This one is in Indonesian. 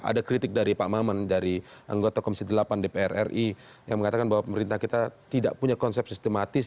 ada kritik dari pak maman dari anggota komisi delapan dpr ri yang mengatakan bahwa pemerintah kita tidak punya konsep sistematis